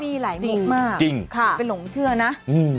มีหลายมุกมากเป็นหลงเชื่อนะจริงค่ะอืม